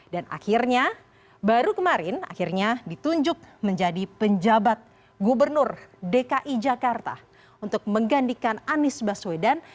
dan akhirnya baru kemarin akhirnya ditunjuk menjadi penjabat gubernur dki jakarta untuk menggandikan anies baswedan